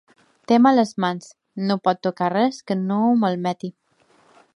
Té males mans: no pot tocar res que no ho malmeti.